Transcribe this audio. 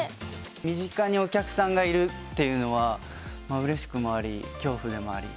身近にお客さんがいるっていうのは、うれしくもあり、恐怖でもあり。